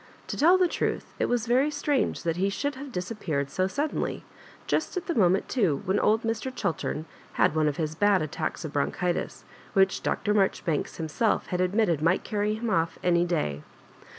To tell the truth, it was very strange that he should have disappeared so suddenly, — just at the moment too, when old Mr. Chiltem had one of his bad attacks of bronchitis, which Dr. Maijoribanks himself had admitted might carry him off any day.